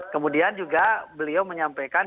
kemudian juga beliau menyampaikan